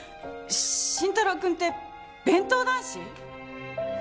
慎太郎君って弁当男子？